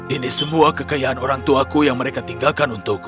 ini semua kekayaan orangtuaku yang mereka tinggalkan untukku